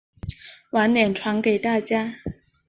晚点传给大家